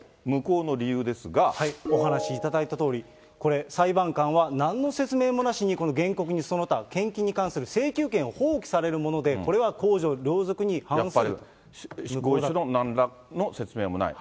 お話しいただいたとおり、これ、裁判官は、なんの説明もなしに、この原告にその他献金に関する請求権を放棄させるものでこれは公なんらの説明もない。